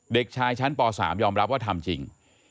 เด็กชายชั้นป๓ยอมรับว่าทำจริง